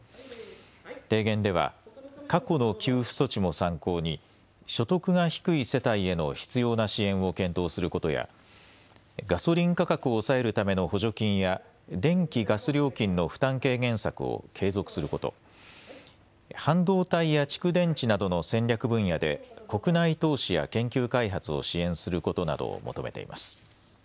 提言では過去の給付措置も参考に所得が低い世帯への必要な支援を検討することやガソリン価格を抑えるための補助金や電気、ガス料金の負担軽減策を継続すること、半導体や蓄電池などの戦略分野で国内投資や研究開発を支援することなどを求めています。